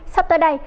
sắp tới đây